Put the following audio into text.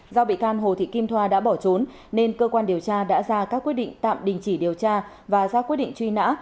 do bị can hồ thị kim thoa đã bỏ trốn nên cơ quan điều tra đã ra các quyết định tạm đình chỉ điều tra và ra quyết định truy nã